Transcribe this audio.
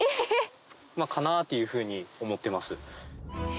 まぁかな？というふうに思ってます。